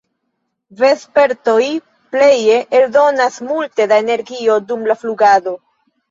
Vespertoj pleje eldonas multe da energio dum la flugado.